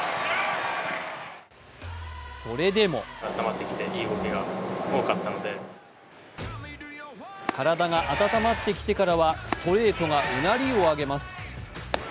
それでも体が温まってきてからはストレートがうなりを上げます。